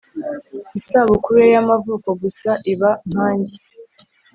isabukuru ye y'amavuko gusa iba nkanjye.